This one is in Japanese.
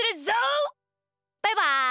バイバイ！